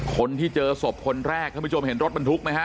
คนที่เจอศพคนแรกท่านผู้ชมเห็นรถบรรทุกไหมฮะ